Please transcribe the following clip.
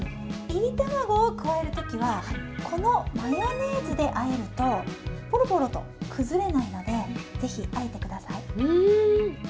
いり卵を加えるときは、このマヨネーズであえると、ぽろぽろと崩れないのでぜひあえてください。